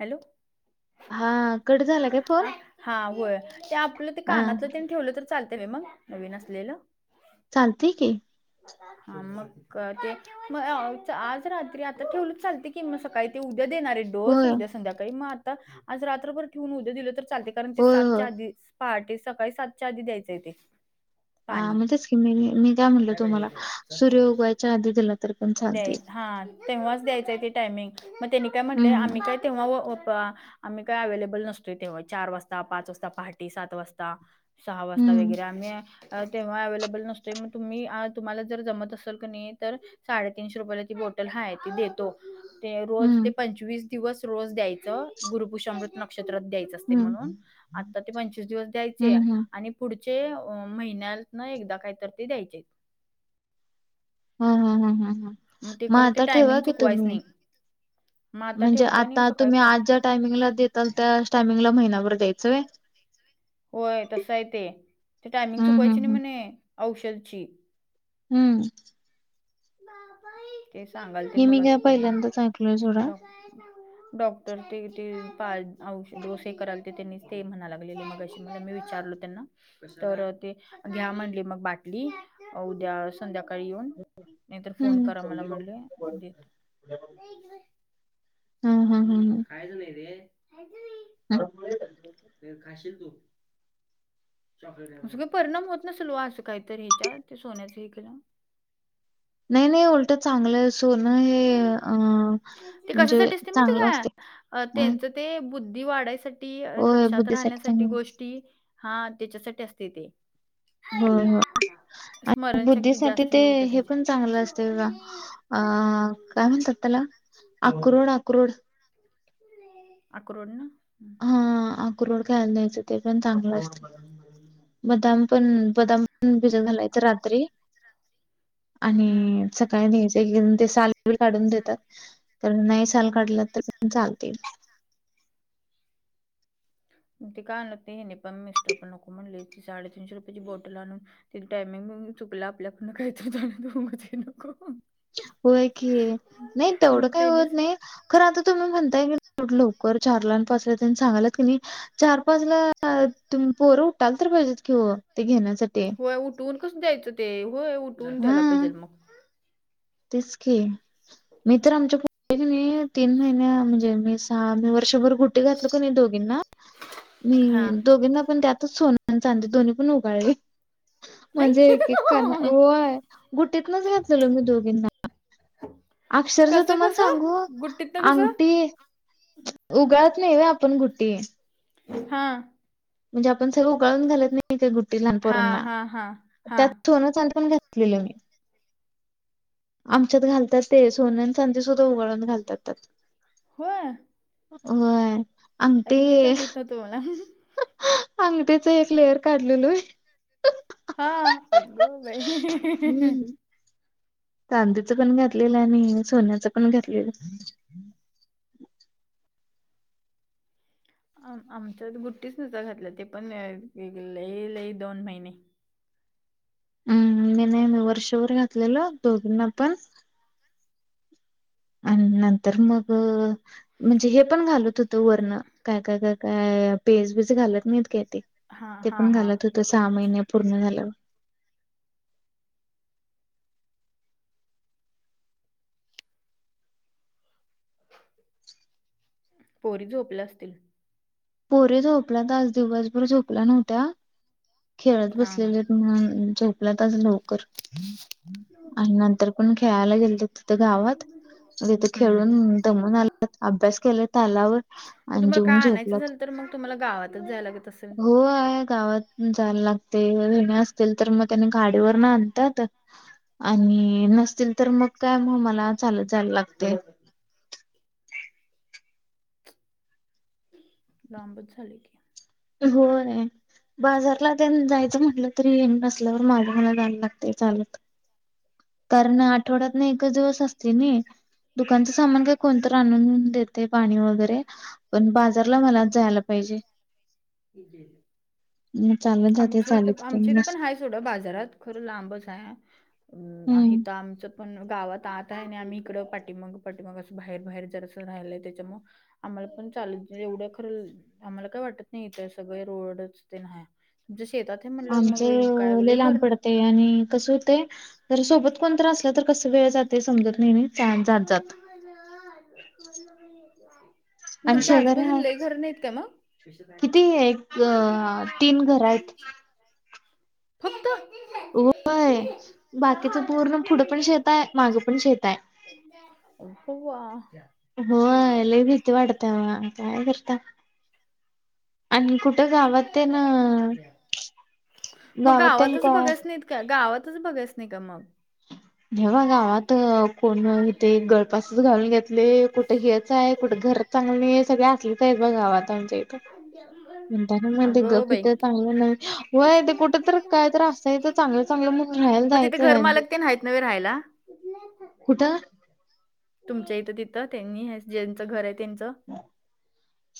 Hello. हा cut झाला काय फोन? हा होय, ते आपलं ते हा कानातलं तन ठेवलं तर चालत मग नवीन असलेलं. चालतंय की. हम्म मग ते मग आज रात्री आता ठेवलच चालतय कि मग सकाळी ते उद्या देणारे रोज होय, उद्या संध्याकाळी, मग आता आज रात्रभर ठेऊन उद्या दिलं तर चालतय, कारण ते होय, होय. सातच्या आधी पहा्टे सकाळी सातच्या आधी द्यायचंय ते. हा पाणी म्हणजेच की मी, मी काय म्हणलं तुम्हाला, सूर्य उगवायच्या आधी दिलं द्यायच हा, तेव्हाच द्यायचंय ते टायमिंग, मग त्यांनी काय म्हटले, हम्म, आम्ही काय तेव्हा आम्ही काय अवे्लेबल नसतोय तेव्हा चार वाजता पाच वाजता पहाटे सात वाजता. सहा वाजता हम्म, वगैरे आम्ही. तेव्हा अवे्लेबल नसतोय मग तुम्ही तुम्हाला जर जमत असेल कनी तर. साडेतीनशे रुपयाला ती बोटल आहे ती देतो ते रोज ते हम्म, पंचवीस दिवस रोज द्यायचे. गुरुपुषमृत नक्ष्रात द्यायच असते हम्म, म्हणून आता ते पंचवीस दिवस द्यायचे हम्म, हम्म. आणि. पुढचे महिन्यातन एकदा काही तर ते द्यायच्यात. ह ह ह ह ह ते मग खरं ते आता टायमिंग ठेवा की चुकवायच तुम्ही. नाही मग आता म्हणजे ठेवता नाही आता सकाळी तुम्ही आज ज्या पाच टायमिंगला देताल त्या टायमिंगला महिना भर द्यायचंय. होय तसं आहे ते ते टायमिंग हं, हं, चुकवायची नाही हं. म्हणे औषधींची. हम्म ते सांगाल ते हे मी काय मगाशी तेनी पहिल्यांदाच ऐकलोय सोडा. त्यांनी डॉ डॉक्टर ते ते पा औषध डोसे हे करायल ते त्यांनी ते म्हणाय लागले मग मी विचारलो त्यांना तर ते घ्या म्हटले मग बाटली उद्या संध्याकाळी येऊन नाहीतर हं. फोन करा मला म्हटले देते हं, हं, हं, खायचं नाही ते खायचं ह ते खाशील तू काही परिणाम होत नसल वो असं काहीतरी हिच्यावर ते सोन्याच हे केल्यावर नाही, नाही उलटं चांगलं आहे सोनं हे अ ते म्हणजे कशासाठी असते माहीत चांगलं हाय असते काय अ त्यांच ते बुद्धी वाढायसाठी होय लक्षात बुद्धीसाठी राहण्यासाठी चांगलं गोष्टी हा तेच्यासाठी असते ते होय होय. स्मरणशक्ती बुद्धीसाठी जास्त ते होते हे पण चांगलं त्यांची. असते बघा अ काय म्हणतात तेला आक्रोड आक्रोड आक्रोड ना हा आक्रोड खायला दयायच ते पण चांगलं असत बदाम पण बदाम पण भिजत घालायच रात्री हं. आणि सकाळी द्यायच एक एक जणं ते साल काढून देतात तर नाही साल काडलं तर चालते ते काय आणतते हिने पण मिस्टर पण नको म्हणली ती साडे तीनशे रुपयाची बोटल आणून तिचं टायमिंग बियमीग चुकलं आपल्याकडन काही तरी झालं तर नको होय कि नाही तेवढं अन् काही होत त्यांनीच नाही खर आता तुम्ही म्हणताय कनी येवढ्या लवकर चारला आणि पाचला त्यांनी सांगाल्यात कनी चार पाच ला तुम्ही पोरं उठाल तर पाहिजेत किं वो घेण्यासाठी होय उठवून कसं द्यायचं ते होय उठवून हा द्यायला पाहिजे मग तेच की मी तर आमच्या तीन महिन्या म्हणजे मी सहा मी वर्षभर गुटी घातलो कनी दोघींना मी हां. दोघीना पण त्यातच सोन आणि चांदी दोन्ही पण उगाळले आई म्हणजे एक एक काना होय गुटीतनच घातलेलो मी दूध हो अक्षरश तुम्हाला सांगू कसं अंगठी उगाळत नाही व्हय आपण गुटी हा म्हणजे आपण सगळं उगळून घालत नाही काही गुट्टी हा लहानपोरांना हा हा हा त्यात सोनं चांदी पण घाला केल मी आमच्यात घातात ते सोन्या आणि सांधे सुद्धा उघडळून घालताता त्यात. होय, होय, आई अंगठी हे का माहित ना मला. अंगठीच एक लेअर काढलय. हा अगोई, हम्म चांदीचं पण घातलेलं आणि सोन्याचं पण घातलेलं. आ आमच्या गुट्टीच नसा घातला ते पण ये लई दोन महिने. हम् मी नाही म वर्षभर घातलेल दोघीना पण आणि नंतर मग म्हणजे हे पण घालत होतं वरन काय काय काय. का पेज बीज घालत नाहीत का ते हा ते हा पण हा घालत होत सहा महिने पूर्ण झाल्यावर. पोरी झोपल्या असतील. पोरे झोपल्यात आज दिवसभर झोपल्या नव्हत्या. खेळत हा हा बसलेले म्हणून झोपल्यात आज लवकर. आणि नंतर पण खेळायला गेल त तिथ गावात तिथे हम्म खेळलो हम्म दमून आल्यात. अभ्यास केल इत तालावर मग आणि तुम्हाला जेवन काय आणायचं झोपल्यात. झालं तर मग तुम्हाला गावातच जायलागेत असेल. हो आहे गावात जायला लागते हेेणे असतील तर मग त्यानी गाडीवर न आणतात. आणि नसतील तर मग काय म मला चालत जायला लागते. लांबच झाले की, अ होय, बाजारला ते जायचं म्हटलं तरी नसल्यावर मागला जायला लागते चालत. कारण आठवड्यात ना एकच दिवस असतोय नाही. दुकानचं सामान काय कोणतं आणून देते पाणी वगैरे. पण बाजारला मला जायला पाहिजे. म चालत जात चालत येते. तेवढ्या बाजारात खरं लांबच आहे आहे तर आमच. पण गावात आत आहे आणि आम्ही इकड पाठीमाग पाठीमग असं बाहेर बाहेर जरसं राहिलंय त्याच्या मूळ. आम्हाला पण चाल एवढं खरं आम्हाला काय वाटत. नाही ते सगळे रोडच तेन हाय व जशी येतात तुमच्या शेतात हे म्हणल्यावर मग काय लय घर. ते आणि कस होते जर सोबत कोणत असलं तर कस वेळ जाते समजत नाही नाही. छान जात जात. हॅलो हॅलो फोन नबर घेतलाय. आणि तुमच्या शेजारी आजूबाजून आहे लय घर नाहीत का मग. किती एक अ तीन घर आहेत फक्त, होय बाकीच पूर्ण पुढं पण शेत आहे मागं पण शेत आहे. अवा, होय लय भीती वाटत्या बा काय करता आणि कु ''--'' ते गावात तेन आ मग गावात तेन गावातच काय. बघायच नाहीत का गावातच बघास नाही का मग. नहीं बा गावात कोण इथ एक गळपासच घालून घेतले कुठं हेच आहे कुठं घर चांग ''--'' आणि हे सगळे असलेच आहेत बा गावात आमच्या. म्हणता म्हणल अगं गप बाई इथ चांगलं व्हय कुठ तर काय तर असत. असायचं चांगलं चांगलं म्हणून राहायला मग तिथे घर जायचं मालक ते नाहीत नव्हे राहायला कुठं. तुमच्या इथं तिथं त्यांनी हे ज्यांचं घर आहे त्यांचं.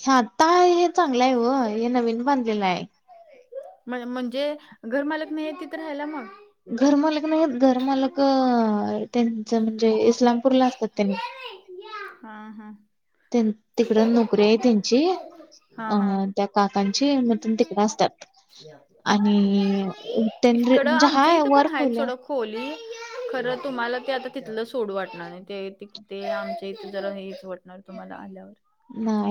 हे आत्ता आहे हे चांगलं आहे ओ, हे नवीन बांधलेलं आहे. म्ह म्हणजे घरमालक नाही आहे, तिथ राहायला मग- घरमालक नाही, घरमालक अ त्यांच म्हणजे इस्लामपूरला असतात त्यांनी. हा हा. त्यान तिकड नोकरी आहे त्यांची- हा अ हा त्या काकांची मग तिकडं असतात आणि उपेंद्र इकडं म्हणजे आमच्या हाय इथं पण वर्क आहेत होलय सोडा खोली- खरं तुम्हाला ते आता तिथलं सोडू वाटणार नाही, ते ते आमच्या इथ जरा हे इथ वाटणार. आता तुम्हाला आल्यावर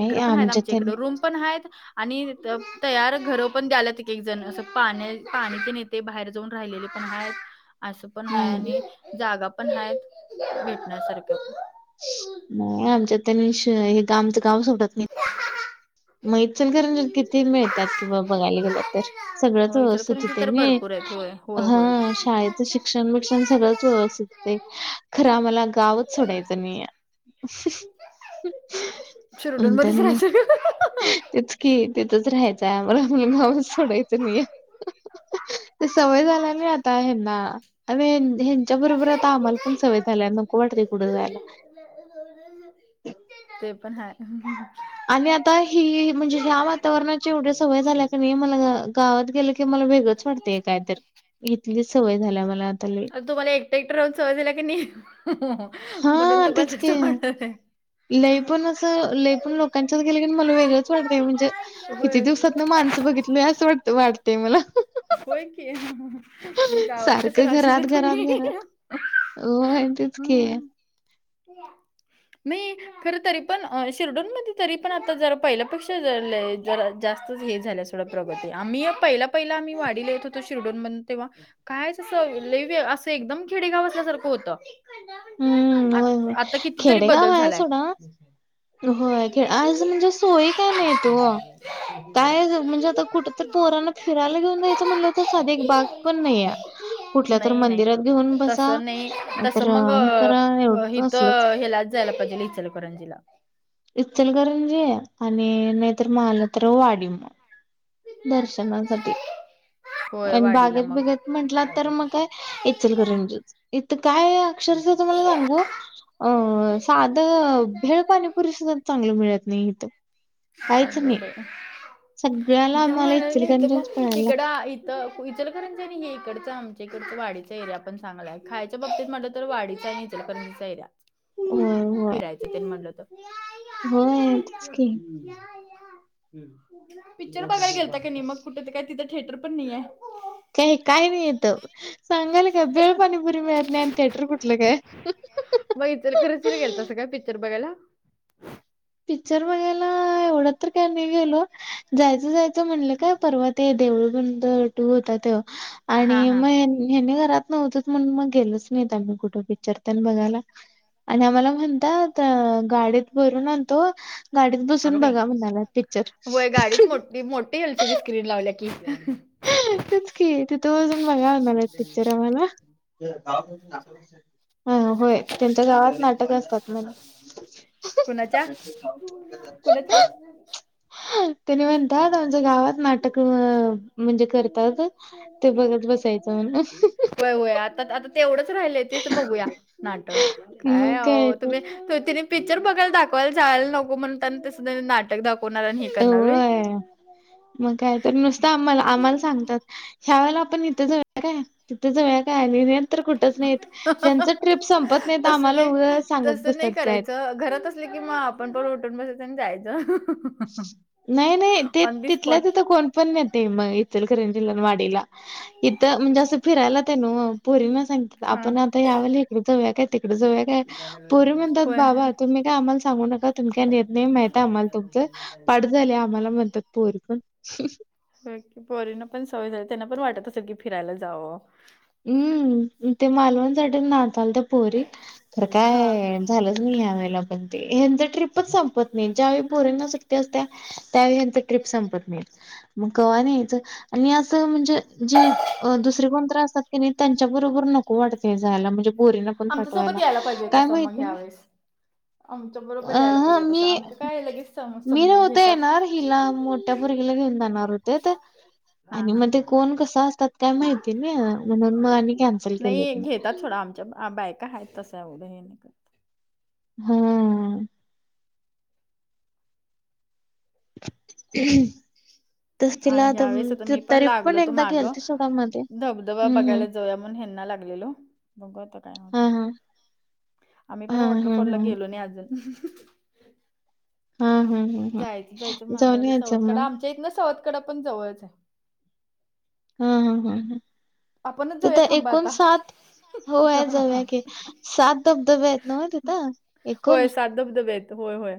इकड पण आहेत, आमच्या इकड त्यांनी रूम पण आहेत. आणि इथं तयार घर पण द्यायल्यात किती जण असं पाण्या पाणी तेन- ते बाहेर जाऊन राहिलेले पण आहेत. असं पण हाय हम्म आणि जागा पण हाय भेटण्यासारख. नाही आमच्या त्यांनी हित आमच गाव सोडत नाही. मग इंचालकरजीत किती मिळत्यात कि बघायला गेलं तर. हो सगळचं व्यवस्थित इचलकरंजी होते तर ना भरपूर आहेत होय होय होय. हा शाळेत- इथं शिक्षण बिक्षण सगळंच व्यवस्थित हुतय खरं आम्हाला गावच सोडायचं नाहीय. [inaudible] शिरडूनमध्येच मग राहायचं ग- तेच की तिथंच राहायचं आहे आम्हला गावचं सोडायचं नाही आहे. ते सवय झाल्या नी आता ह्यांना आणि- ह्यांच्या बरोबर आता आम्हाला पण सवय झाल्या नको वाटते कुढं जायला. ते पण हाय. [inaudible] आणि आता ही म्हणजे ह्या वातावरणाची एवढी सवय झाल्या, की नाही मला गावात गेलं की मला वेगळचं मी वाटतंय काय तर इथलीचं सवय झाल्या मला आता लई. तर तुम्हाला एकटं एकटं राहून सवज झाल्या की, नाही म्हणून हा तेच तुम्हाला की तसं वाटत आहे. लई पण असं लई पण लोकांच्यात गेलं की नाही, मला वेगळंच वाटतं म्हणजे किती होय दिवसात न माणसं बघितल. लई असं हे वा वाटते मला होय की मग गावात सारख- कसं ते राहशील घरात घरात तुम्ही घरात हो तेच की- [inaudible] मी खर तरी पण शिर्डूनमध्ये तरी पण आता जरा पहिल्या पेक्षा घरी लई आहेत. जरा जास्तच हे झाल्या सोडा प्रॉपर्टी, आम्ही येऊन पहिला पहिला आम्ही वाडीला येत होतो शिर्डोनमधे तेव्हा- कायच असं लई वेगळं असं एकदम खेडेगाव असल्यासारखं होतं. आ हो होय आता कितीतरी खेडेगाव बदल आहे झालाय सोडा. होय खेड आणि असं म्हणजे सोयी काय नाहीत ओ. काय असं म्हणजे आता कुठ तरी पोरांना फिरायला घेऊन जायंच म्हटलं तर साधं एक बाग पण नाही आहे. कुठल्या तर नाही नाही मंदिरात घेऊन बसा, नाही तर हे करा अ- तर ह्यालाचं जायला पाहिजेल इचलकरंजीला. इचलकरंजी आणि नाहीतर मानलं तर वाडी मग- दर्शनासाठी. होय आणि वाडीला बागेत मग बिगेत म्हंटला तर मग काय इचलकरंजीचं. इथं काय अक्षरशा तुम्हाला सांगू, अ साधं भेळ पाणीपुरी सुधा- चांगलं मिळत नाही इथं, काहीच नाही सगळ्याला- [inaudible] आम्हाला हां इचलकरंजीच पळायला लाग इथं इचलकरंजी आहे कणी आमच्या इकडचं वाडीच एरिया पण चांगला आहे खायचं त्याच्या बाबतीत मला तर वाढीचा नाही त्या इचलकरंचा एरिया. होय होय फिरायचं ते म्हटलं तर. होय तेच की. पिक्चर बघायला गेलता का नाही मग कुठे काय तिथं थिएटर पण नाहीये? का काय नाही येत. सांगायलोय काय भेळ पाणीपुरी मिळत नाही आणि थिएटर कुठलं काय? चर बघाला. पिक्चर बघायला एवढं तर काय नाही गेलो जायचं जायचं म्हणलं काय परवात ते देऊळ बंद टू होत ते हा आणि हा मग हनी घरात नव्हत म्हणून मग गेलच नाही आमही कुठ पिक्चर तर बघायला आणि आम्हाला म्हणतात गाडीत भरून तो गाडीत बसून अगं बाई बघा म्हणाला पिक्चर. वय गाडीत मोठी मोठी एलसीडी स्क्रीन लावला की. तेच कि तिथ बसून बघा म्हणालेत पिक्चर आम्हाला. ह होय त्यांच्या गावात नाटक असतात म्हला. कुणाच्या कुणाच्या [inaudible] तेनी म्हणतात आमच्या गावात नाटक अ म्हणजे करतात ते बघत बसायचं म्ह. होय हो आता आता तेवढंच राहिल तेच बघूया नाटक मग काय तुम्ही तर तिने. पिक्चर बघाय दाखवायला जायला नको म्हणून त्यांना तेसध नाटक दाखवणार आणि हे करणार. होय मग काय तर नुसत आम्हाला आम्हाला सांगतात. ह्या वेळेला आपण इथे जावूया काय तिथे जावूया. काय नेत तर कुठंच नाही त्यांच ट्रीप संपत नाहीत तसं आम्हाला नाही उगाच सांगत तसं नाही बसत्यात काय पण. करायचं घरात की मग आपण पण उठून बसायच आणि जायचं. नाही नाही ते ऑन दी तिथल्या स्पॉट तिथ कोण पण नेतय मग इचलकरंजी वाट इथ म्हणजे अस फिरायला तेन ओ पोरीना सांगतात हा आपण आता यावेळी जावूया काय तिकडे जाऊया काय पोरी म्हणतात होय बाबा तुम्ही काय आम्हाला सांगू नका मी काय आम्हाला नेत नाही माहिती आम्हाला तुमचा पाठ झाला. आम्हाला म्हणतात पोरी पण. हो पोरींना पण सवय झाली त्यांना पण वाटत असेल की फिरायला जावं. हम्म ते मालवणसाठी नाचालत्या आल पोरी तर हा. काय झालंच नाही ह्या वळेला पण ते ह्यांच ट्रिपच संपत नाही ज्यावेळी पोरिंना सुट्टी असतिया. त्यावेळी ह्यांच ट्रीप संपत नाही. मग कवा न्यायच आणि असं म्हणजे जी दुसरे कोण तरी असतात. त्यांच्याबरोबर नको वाटते जायला म्हणजे पोरींना पण आमच्यासोबत पाठवायला यायला पाहिजे काय होत्यासा मग माहिती त्यावेेळेस आमच्या बरोबर अ यायला ह पाहिजे मी होत्यासा आमचं काय लगेच सम मी समजून नव्हते घेतात. येणार हिला मोठ्या पोरगीला घेऊन जाणार होतेत. हा आणि हा. मग ते कोण कसं असतात काय माहिती ना नाही घेतात सोडा आमच्या बायका आहेत तसं एवढं काय हे नाही. करत. हा. हम् [unintelligible] ह्या वेळेस आता मी पण तरी लागलो तो एकदा माग गेलती सोडा मध्ये धबधबा हम्म बघायला. हम्म जावूया म्हणून हेना लागलेलो बघूया आता काय हा होतय हा आम्ही पण हा हा वॉटरफॉलला हा गेलो नाही अजून हा हा हा हा जायचं जायचं जाऊन म्हणालागलोय यायचं सवतकडा मग आमच्या इथन सवतकडा पण जवळच आहे. हा हा हा ह आपणच तर जाऊया तर थांबा एकोण आता. सात होय जाऊया की सात धबधबे आहेत नव्हं तिथं एक होय सात धबधबे आहेत. होय होय.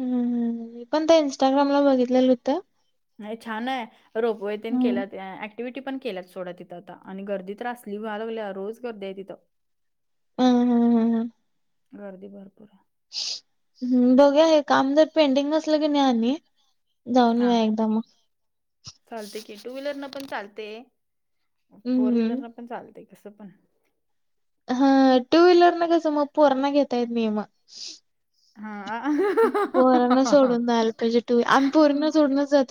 ह ह मी पण ते इंस्टाग्रामला बघितलेलं होतं. हाय छान आहे रोपवे तेन हम्म केल्यात. एक्टिव्हटी पण केल्या सोडा तिथं आता आणि गर्दी तर असली व्हालागल्या रोज गर्दी आहे तिथं हम हम हम. गर्दी भरपूर आहे. ह बघूया हे काम जर पेंडिंग नसल कणी आणि जाऊन हा येऊया एकदा मग चालतय की टू व्हीलर न पण चालते. फोर व्हीलर हम्म न पण चालतय कसं पण हा टू व्हहीलर न कस मग पोरांना घेता येत नाही मग पोराना सोडून हा जायला पाहिजे आम्ही पोरीना सोडूनच जातोय.